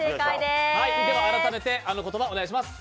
改めてあの言葉、お願いします。